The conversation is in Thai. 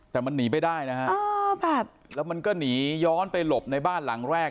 แต่มันหนีไปได้นะฮะแล้วมันก็หนีย้อนไปหลบในบ้านหลังแรก